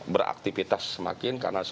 beraktivitas semakin karena sebabnya